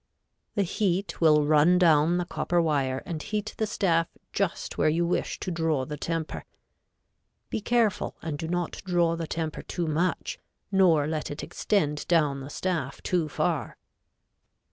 The heat will run down the copper wire and heat the staff just where you wish to draw the temper. Be careful and do not draw the temper too much, nor let it extend down the staff too far.